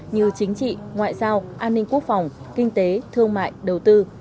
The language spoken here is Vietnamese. như chính trị ngoại giao an ninh quốc phòng kinh tế thương mại đầu tư